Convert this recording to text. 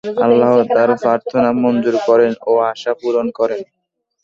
আল্লাহ্ তার প্রার্থনা মঞ্জুর করেন ও আশা পূরণ করেন।